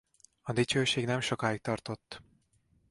A dicsőség nem sokáig tartott.